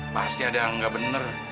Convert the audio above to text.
pasti ada yang nggak bener